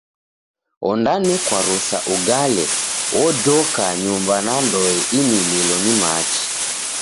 Ondanekwa rusa ugale, odoka nyumba na ndoe imililo ni machi.